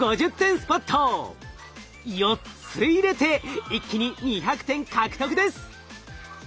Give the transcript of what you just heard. ４つ入れて一気に２００点獲得です。